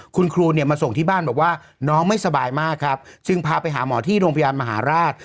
คุณครูเนี่ยมาส่งที่บ้านบอกว่าน้องไม่สบายมากครับจึงพาไปหาหมอที่โรงพยาบาลมหาราช